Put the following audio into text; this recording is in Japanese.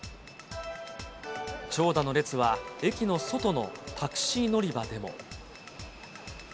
長蛇の列は駅の外のタクシー乗り場でも。